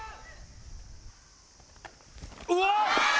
うわっ！